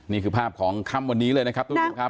นี่คือภาพของคำวันนี้เลยนะครับทุกคนค่ะ